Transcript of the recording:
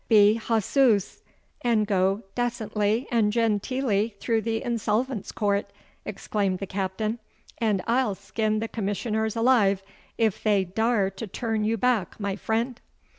"Be Jasus! and go dacently and genteelly through the Insolvents' Court," exclaimed the captain; "and I'll skin the Commissioners alive if they dar r to turn you back, my frind!"